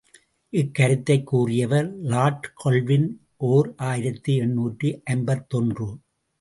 இக்கருத்தைக் கூறியவர் lord Kelvin, ஓர் ஆயிரத்து எண்ணூற்று ஐம்பத்தொன்று.